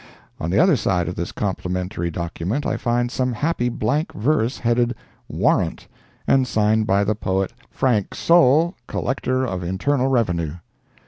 On the other side of this complimentary document I find some happy blank verse headed "Warrant," and signed by the poet "Frank Soule, Collector of Internal Revenue."